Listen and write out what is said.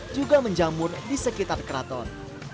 juga menjamur di sekitar keraton